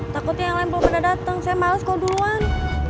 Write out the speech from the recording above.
takutnya yang lain belum pernah dateng saya males kalau duluan